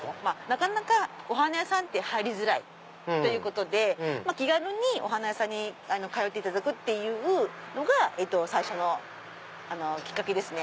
なかなかお花屋さんって入りづらいということで気軽にお花屋さんに通っていただくっていうのが最初のきっかけですね。